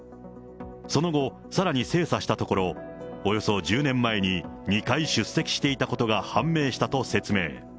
その後、さらに精査したところ、およそ１０年前に、２回出席していたことが判明したと説明。